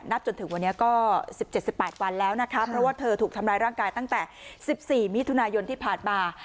จนถึงวันนี้ก็๑๗๑๘วันแล้วนะคะเพราะว่าเธอถูกทำร้ายร่างกายตั้งแต่๑๔มิถุนายนที่ผ่านมา